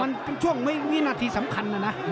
มันเป็นช่วงวินาทีสำคัญนะนะ